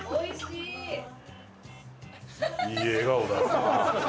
いい笑顔だな。